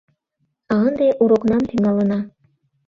А ынде урокнам тӱҥалына.